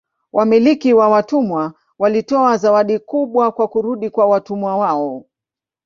Wamiliki wa watumwa walitoa zawadi kubwa kwa kurudi kwa watumwa wao.